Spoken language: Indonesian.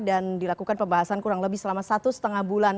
dan dilakukan pembahasan kurang lebih selama satu setengah bulan